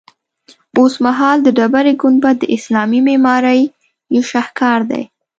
اوسمهال د ډبرې ګنبد د اسلامي معمارۍ یو شهکار دی.